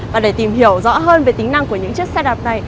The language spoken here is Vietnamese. và để tìm hiểu rõ hơn về tính năng của những chiếc xe đạp này